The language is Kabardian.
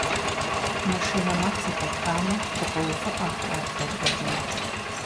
Машинэ макъ зэхэтхамэ, дыкъоувыӀэ, ар блэдгъэкӀыну.